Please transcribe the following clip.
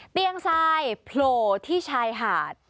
เตียงทรายโปรที่ชายหาด